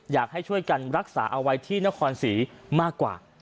อยากให้ช่วยกันรักษาเอาไว้ที่นครศรีมากกว่า